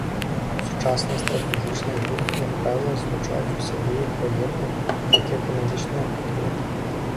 Сучасныя стратэгічныя гульні, як правіла, злучаюць у сабе як ваенныя, так і эканамічныя прыкметы.